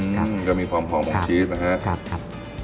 จะมีความหอมของชีสนะฮะ